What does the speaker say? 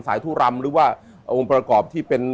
ทุรำหรือว่าองค์ประกอบที่เป็น